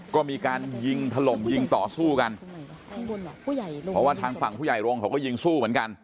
ก็มีการยิงถล่มยิงต่อสู้กันเพราะว่าทางฝั่งผู้ใหญ่โรงเขาก็ยิงสู้เหมือนกัน